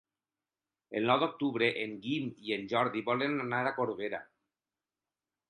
El nou d'octubre en Guim i en Jordi volen anar a Corbera.